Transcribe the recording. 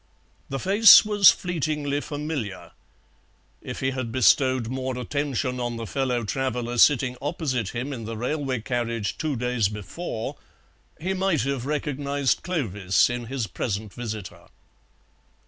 The face was fleetingly familiar; if he had bestowed more attention on the fellow traveller sitting opposite him in the railway carriage two days before he might have recognized Clovis in his present visitor.